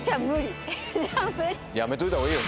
やめといたほうがいいよ。